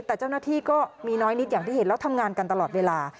แต่เจ้าหน้าที่ก็มีน้อยนิดอย่างที่เห็นแล้วทำงานกันตลอดเวลา